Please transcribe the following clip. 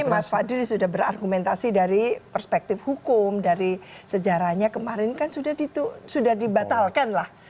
mas fadli sudah berargumentasi dari perspektif hukum dari sejarahnya kemarin kan sudah dibatalkan lah